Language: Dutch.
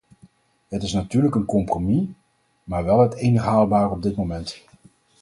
Het is natuurlijk een compromis, maar wel het enig haalbare op dit moment.